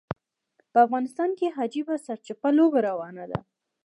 په افغانستان کې عجیبه سرچپه لوبه روانه ده.